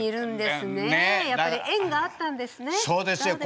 やっぱり縁があったんですね。